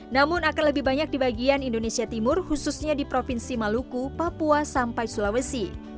namun akan lebih banyak di bagian indonesia timur khususnya di provinsi maluku papua sampai sulawesi